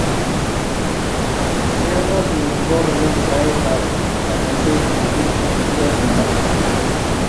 Cheyanatin kokonem saet ab kanyaiset eng biik chikitindo miando